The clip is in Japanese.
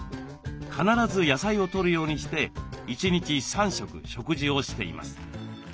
必ず野菜をとるようにして１日３食食事をしています。